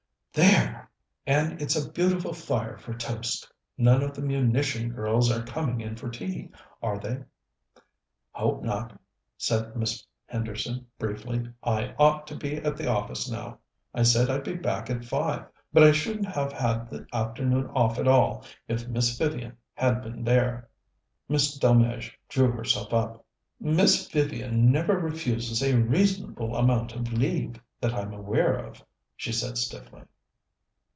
"There! and it's a beautiful fire for toast. None of the munition girls are coming in for tea, are they?" "Hope not," said Miss Henderson briefly. "I ought to be at the office now. I said I'd be back at five, but I shouldn't have had the afternoon off at all if Miss Vivian had been there." Miss Delmege drew herself up. "Miss Vivian never refuses a reasonable amount of leave, that I'm aware of," she said stiffly.